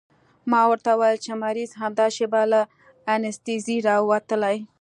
ما ورته وويل چې مريض همدا شېبه له انستيزۍ راوتلى.